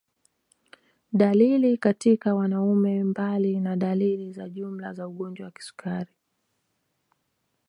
Dalili katika wanaume Mbali na dalili za jumla za ugonjwa wa kisukari